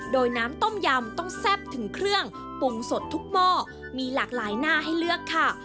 โดยน้ำต้มยำต้องแซ่บถึงเครื่องปรุงสดทุกหม้อมีหลากหลายหน้าให้เลือกค่ะ